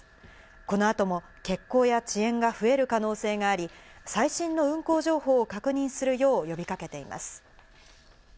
この後も欠航や遅延が増える可能性があり、最新の運航情報を確認するよう呼びかけています。